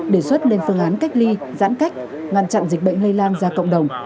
đề xuất lên phương án cách ly giãn cách ngăn chặn dịch bệnh lây lan ra cộng đồng